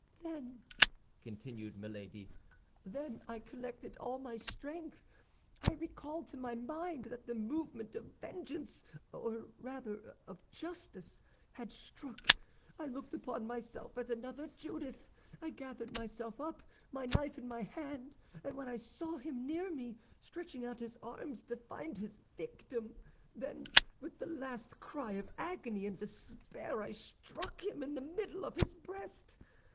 "Then," continued Milady, "then I collected all my strength; I recalled to my mind that the moment of vengeance, or rather, of justice, had struck. I looked upon myself as another Judith; I gathered myself up, my knife in my hand, and when I saw him near me, stretching out his arms to find his victim, then, with the last cry of agony and despair, I struck him in the middle of his breast.